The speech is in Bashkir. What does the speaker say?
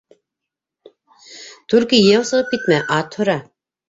Түлке йәйәү сығып китмә, ат һора!